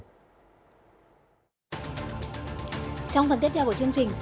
trong phần tiếp theo của chương trình